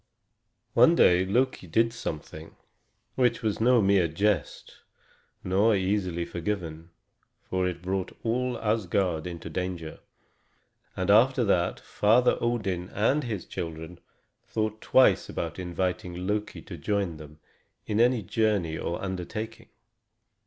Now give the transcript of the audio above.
One day Loki did something which was no mere jest nor easily forgiven, for it brought all Asgard into danger. And after that Father Odin and his children thought twice before inviting Loki to join them in any journey or undertaking.